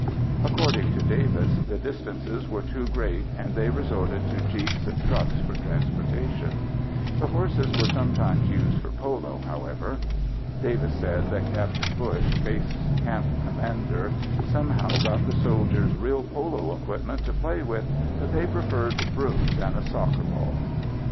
According to Davis the distances were too great and they resorted to jeeps and trucks for transportation. The horses were sometimes used for polo, however. Davis said that Capt. Bush, base camp commander, somehow got the soldiers real polo equipment to play with but they preferred brooms and a soccer ball.